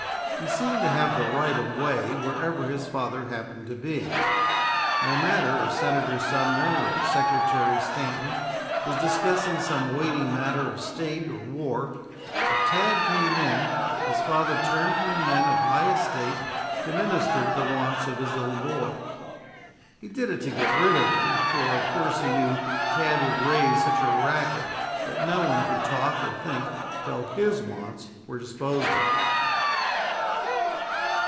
He seemed to have the right of way wherever his father happened to be. No matter if Senator Sumner or Secretary Stanton was discussing some weighty matter of State or war, if Tad came in, his father turned from the men of high estate to minister to the wants of his little boy. He did it to get rid of him, for of course he knew Tad would raise such a racket that no one could talk or think till his wants were disposed of.